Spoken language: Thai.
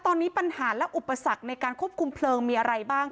ตอนนี้ปัญหาและอุปสรรคในการควบคุมเพลิงมีอะไรบ้าง